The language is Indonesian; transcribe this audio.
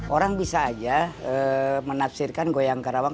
orang bisa aja menafsirkan goyang karawang